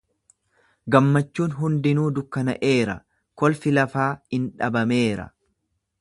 Gammachuun hundinuu dukkana'eera, kolfi lafaa in dhabameera.